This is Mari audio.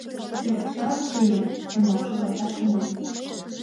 Кресачалан тыйым, Семон, шогалташ шонем.